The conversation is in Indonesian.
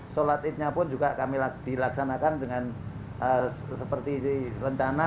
sholat idnya pun juga kami dilaksanakan dengan seperti rencana